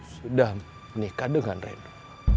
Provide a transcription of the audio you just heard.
sudah menikah dengan renu